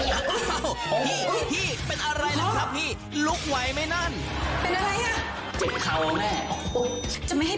อ้าวพี่เป็นอะไรนะครับพี่ลุกไหวไหมนั่น